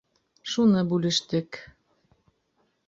Шуны бүлештек...